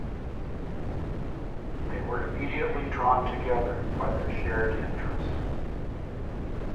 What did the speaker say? They were immediately drawn together by their shared interests.